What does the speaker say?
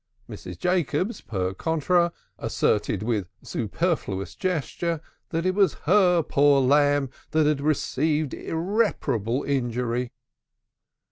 Mrs. Jacobs, per contra, asseverated with superfluous gesture that it was her poor lamb who had received irreparable injury.